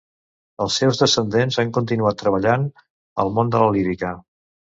Els seus descendents han continuat treballant al món de la lírica.